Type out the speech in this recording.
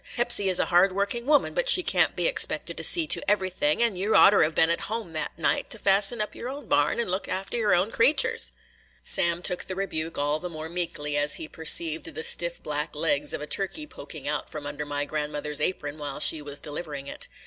"Hepsy is a hard working woman, but she can't be expected to see to everything, and you oughter 'ave been at home that night to fasten up your own barn and look after your own creeturs." Sam took the rebuke all the more meekly as he perceived the stiff black legs of a turkey poking out from under my grandmother's apron while she was delivering it.